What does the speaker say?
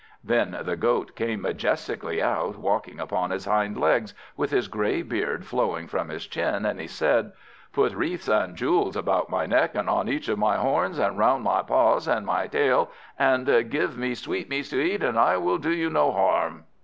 Then the Goat came majestically out, walking upon his hind legs, with his grey beard flowing from his chin, and he said "Put wreaths and jewels about my neck, and on each of my horns, and round my paws and my tail, and give me sweetmeats to eat, and I will do you no harm."